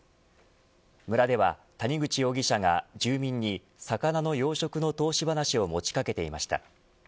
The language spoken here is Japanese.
村では、谷口容疑者が住民に魚の養殖の投資話を持ちかけていました。